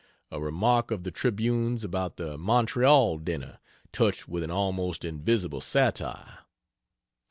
A remark of the Tribune's about the Montreal dinner, touched with an almost invisible satire; 4.